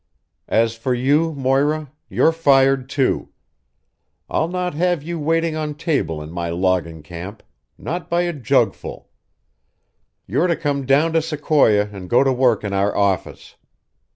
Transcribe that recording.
As for you, Moira, you're fired, too. I'll not have you waiting on table in my logging camp not by a jugful! You're to come down to Sequoia and go to work in our office.